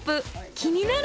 気になる！